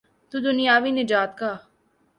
تو دنیاوی نجات کا۔